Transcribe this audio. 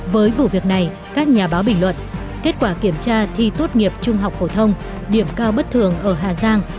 với vụ việc này các nhà báo bình luận kết quả kiểm tra thi tốt nghiệp trung học phổ thông điểm cao bất thường ở hà giang